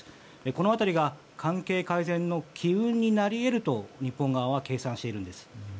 この辺りが関係改善の機運になり得ると日本側は計算しているんです。